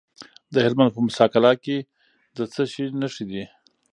د هلمند په موسی قلعه کې د څه شي نښې دي؟